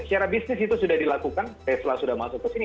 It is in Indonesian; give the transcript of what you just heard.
secara bisnis itu sudah dilakukan tesla sudah masuk ke sini